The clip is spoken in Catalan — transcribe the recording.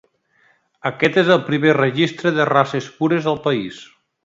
Aquest és el primer registre de races pures al país.